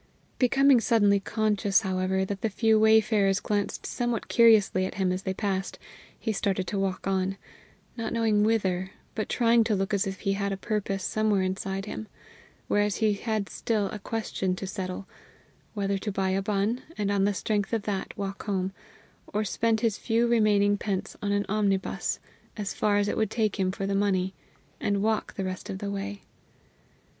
Becoming suddenly conscious, however, that the few wayfarers glanced somewhat curiously at him as they passed, he started to walk on, not knowing whither, but trying to look as if he had a purpose somewhere inside him, whereas he had still a question to settle whether to buy a bun, and, on the strength of that, walk home, or spend his few remaining pence on an omnibus, as far as it would take him for the money, and walk the rest of the way.